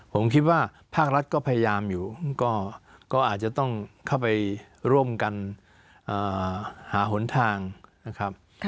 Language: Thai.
ผมคิดว่าภาครัฐก็พยายามอยู่ก็อาจจะต้องเข้าไปร่วมกันหาหนทางนะครับ